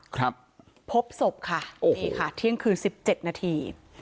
ครับพบศพค่ะโอ้นี่ค่ะเที่ยงคืนสิบเจ็ดนาที